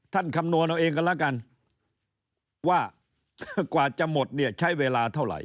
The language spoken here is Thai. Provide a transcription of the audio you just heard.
คำนวณเอาเองกันแล้วกันว่ากว่าจะหมดเนี่ยใช้เวลาเท่าไหร่